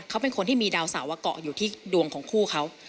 เขาเป็นคนที่มีดาวเสาเกาะอยู่ที่ดวงของคู่เขา